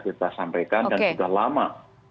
kita sampaikan dan sudah lama